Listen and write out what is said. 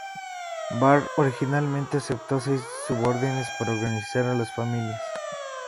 Barr originalmente aceptó seis subórdenes para organizar a las familias.